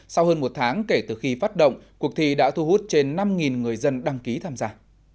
sau hơn một tháng kể từ khi phát động cuộc thi đã thu hút trên năm người dân đăng ký tham gia